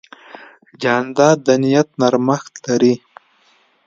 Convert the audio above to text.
جانداد د نیت نرمښت لري.